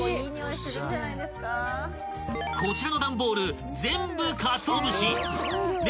［こちらの段ボール全部かつお節］